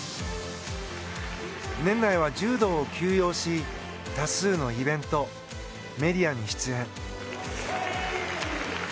年内は柔道を休養し多数のイベントメディアに出演。